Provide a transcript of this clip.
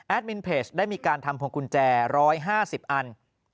มินเพจได้มีการทำพวงกุญแจ๑๕๐อัน